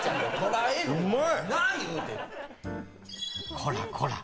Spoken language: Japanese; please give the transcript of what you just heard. こらこら！